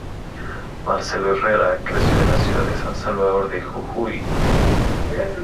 Marcelo Herrera creció en la ciudad de San Salvador de Jujuy.